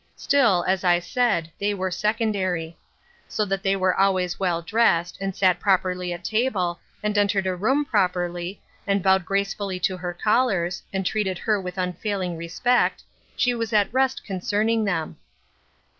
Still, as I said, they were secondary. So that they were always well dressed, and sat prop erly at table, and entered a room properly, and bowed gracefully to her callers, and treated her with unfailing respect, she was at rest concerning them.